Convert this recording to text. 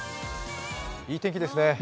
いい天気ですね。